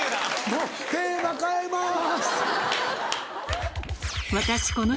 もうテーマ変えます。